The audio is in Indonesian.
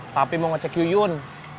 tapi mau ngecek yuyun